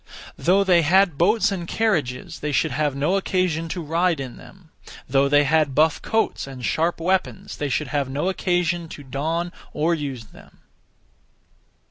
Though they had boats and carriages, they should have no occasion to ride in them; though they had buff coats and sharp weapons, they should have no occasion to don or use them.